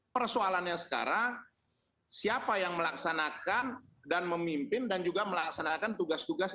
persoalannya sekarang siapa yang melaksanakan dan memimpin dan juga melaksanakan tugas tugas